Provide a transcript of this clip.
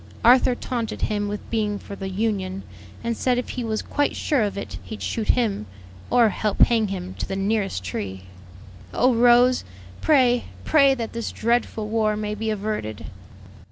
Arthur taunted him with being for the Union, and said if he was quite sure of it he'd shoot him, or help hang him to the nearest tree. "Oh, Rose! pray, pray that this dreadful war may be averted!"